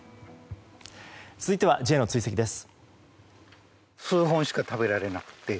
続いてはＪの追跡です。